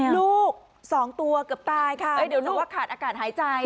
ลูกสองตัวเกือบตายค่ะเดี๋ยวหนูว่าขาดอากาศหายใจ